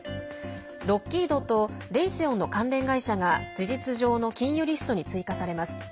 ロッキードとレイセオンの関連会社が事実上の禁輸リストに追加されます。